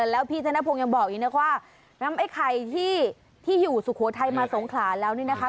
แล้วพี่ธนพงศ์ยังบอกอีกนะว่านำไอ้ไข่ที่อยู่สุโขทัยมาสงขลาแล้วนี่นะคะ